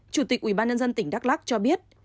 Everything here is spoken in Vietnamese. chủ tịch ubnd tỉnh đắk lắc cho biết